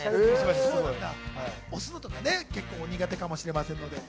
押すのとかね、結構お苦手かもしれません。